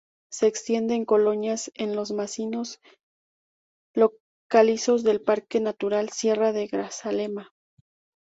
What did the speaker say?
Se extiende en colonias en los macizos calizos del Parque Natural Sierra de Grazalema.